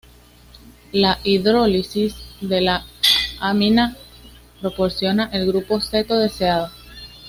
La hidrólisis de la amina proporciona el grupo ceto deseado.